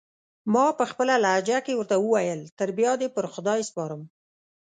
ما پخپله لهجه کې ورته وویل: تر بیا دې پر خدای سپارم.